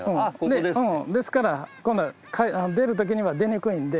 ですから今度は出るときには出にくいんで。